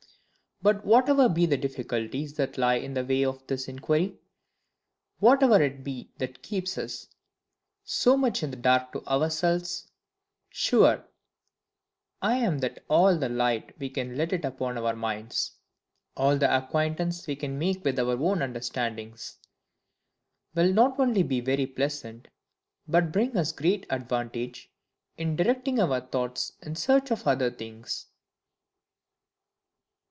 But whatever be the difficulties that lie in the way of this inquiry; whatever it be that keeps us so much in the dark to ourselves; sure I am that all the light we can let in upon our minds, all the acquaintance we can make with our own understandings, will not only be very pleasant, but bring us great advantage, in directing our thoughts in the search of other things.